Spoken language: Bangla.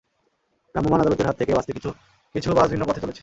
ভ্রাম্যমাণ আদালতের হাত থেকে বাঁচতে কিছু কিছু বাস ভিন্ন পথে চলেছে।